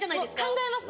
考えます